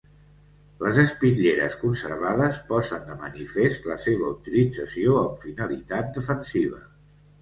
Les espitlleres conservades posen de manifest la seva utilització amb finalitat defensiva.